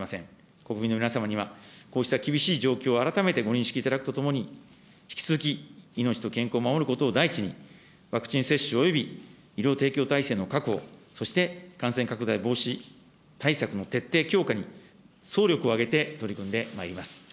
国民の皆様には、こうした厳しい状況を改めてご認識いただくとともに、引き続き命と健康を守ることを第一に、ワクチン接種および医療提供体制の確保、そして感染拡大防止対策の徹底強化に、総力を挙げて取り組んでまいります。